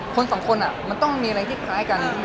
คนสองคนมันต้องมีอะไรที่คล้ายกัน